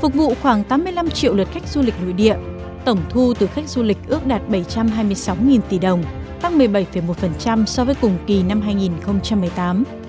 phục vụ khoảng tám mươi năm triệu lượt khách du lịch nội địa tổng thu từ khách du lịch ước đạt bảy trăm hai mươi sáu tỷ đồng tăng một mươi bảy một so với cùng kỳ năm hai nghìn một mươi tám